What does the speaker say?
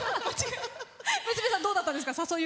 娘さんどうだったんですか？